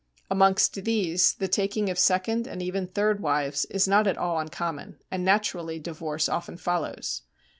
Amongst these, the taking of second, and even third, wives is not at all uncommon, and naturally divorce often follows.